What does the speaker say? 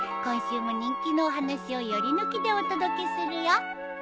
今週も人気のお話をより抜きでお届けするよ。